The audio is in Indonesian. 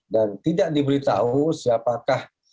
dan tidak diberitahu siapakah